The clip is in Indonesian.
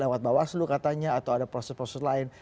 lewat bawah selu katanya atau ada proses proses lain